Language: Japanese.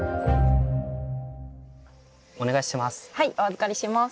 お願いします。